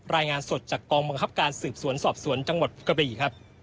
รายงานสดจากกองบังคับการสืบสวนสอบสวนจังหวัดกระบีครับ